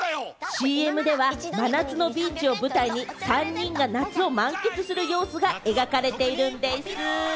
ＣＭでは真夏のビーチを舞台に３人が夏を満喫する様子が描かれているんでぃす。